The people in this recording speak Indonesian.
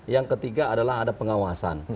yang ketiga adalah ada pengawasan